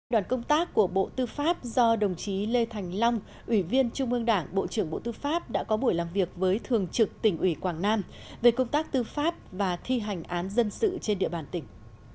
đoàn công tác của bộ tư pháp do đồng chí lê thành long ủy viên trung ương đảng bộ trưởng bộ tư pháp đã có buổi làm việc với thường trực tỉnh ủy quảng nam về công tác tư pháp và thi hành án dân sự trên địa bàn tỉnh